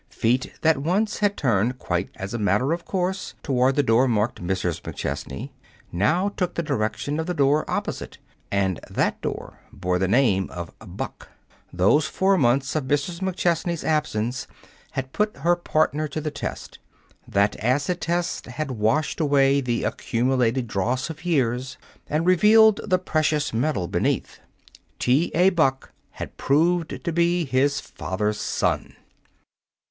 Feet that once had turned quite as a matter of course toward the door marked "MRS. MCCHESNEY," now took the direction of the door opposite and that door bore the name of Buck. Those four months of Mrs. McChesney's absence had put her partner to the test. That acid test had washed away the accumulated dross of years and revealed the precious metal beneath. T. A. Buck had proved to be his father's son.